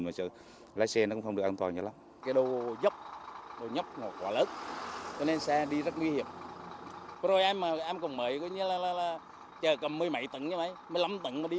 mà lái xe nó cũng không được an toàn nhiều lắm cái đồ dốc đồ dốc ngọt ngọt nên xa đi rất nguy hiểm